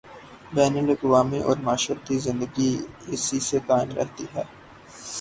بین الاقوامی اورمعاشرتی زندگی اسی سے قائم رہتی ہے۔